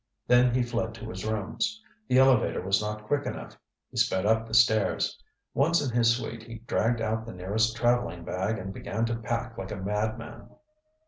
Then he fled to his rooms. The elevator was not quick enough; he sped up the stairs. Once in his suite he dragged out the nearest traveling bag and began to pack like a mad man.